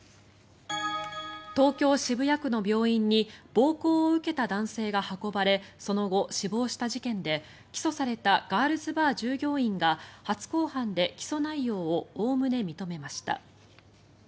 東京・渋谷区の病院に暴行を受けた男性が運ばれその後、死亡した事件で起訴されたガールズバー従業員が初公判で起訴内容をおおむね認めました。